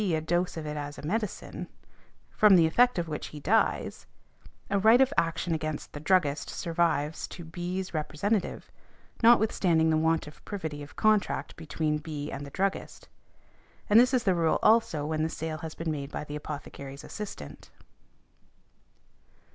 a dose of it as a medicine, from the effect of which he dies, a right of action against the druggist survives to B.'s representative, notwithstanding the want of privity of contract between B. and the druggist . And this is the rule, also, when the sale has been made by the apothecary's assistant .